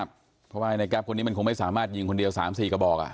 เพราะว่าในแป๊บคนนี้มันคงไม่สามารถยิงคนเดียว๓๔กระบอก